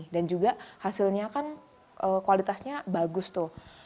dan juga hasilnya kan kualitasnya bagus tuh